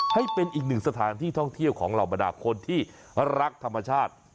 ให้เป็นอีกหนึ่งสถานที่ท่องเที่ยวของเหล่าบรรดาคนที่รักธรรมชาติ